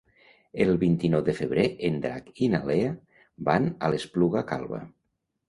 El vint-i-nou de febrer en Drac i na Lea van a l'Espluga Calba.